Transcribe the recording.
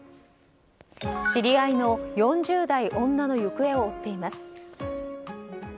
知り合いの４０代女の行方を追っています。